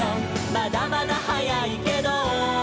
「まだまだ早いけど」